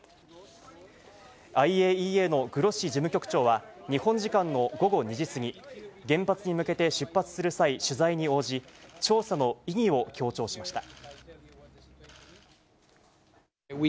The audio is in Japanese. ＩＡＥＡのグロッシ事務局長は、日本時間の午後２時過ぎ、原発に向けて出発する際、取材に応じ、調査の意義を強調しました。